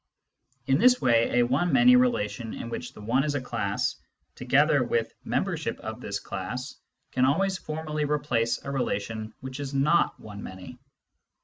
In this way a one many relation in which the one is a class, together with membership of this class, can always formally replace a relation which is not one many.